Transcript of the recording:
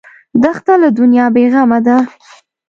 دښته له دنیا بېغمه ده.